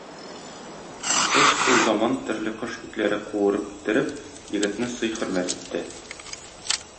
Кыз шул заман төрле кош итләре куырып китереп егетне сый-хөрмәт итте.